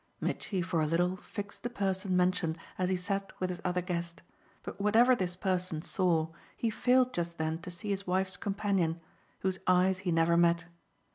Mitchy for a little fixed the person mentioned as he sat with his other guest, but whatever this person saw he failed just then to see his wife's companion, whose eyes he never met.